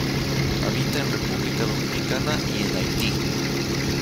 Habita en República Dominicana y en Haití.